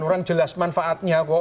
orang jelas manfaatnya kok